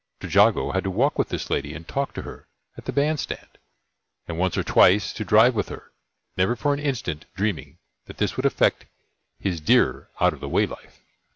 Trejago had to walk with this lady and talk to her at the Band stand, and once or twice to drive with her; never for an instant dreaming that this would affect his dearer out of the way life.